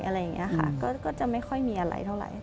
อะไรอย่างนี้ค่ะก็จะไม่ค่อยมีอะไรเท่าไหร่